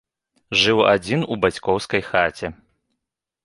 Жыў адзін у бацькоўскай хаце.